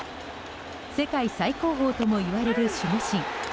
世界最高峰ともいわれる守護神。